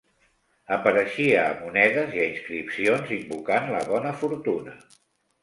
Apareixia a monedes i a inscripcions invocant la bona fortuna.